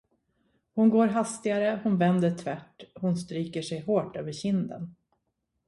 Hon går hastigare, hon vänder tvärt, hon stryker sig hårt över kinden.